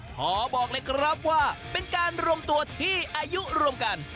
ขอบอกเลยครับว่าเป็นการรวมตัวที่อายุรวมกัน